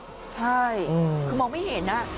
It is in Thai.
ใช่คือมองไม่เห็น